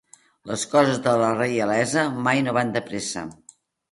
Les coses de la reialesa mai no van de pressa.